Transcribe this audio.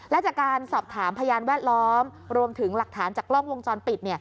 และจากการสอบถามพยานแวดล้อมรวมถึงหลักฐานจากกล้องวงจรปิด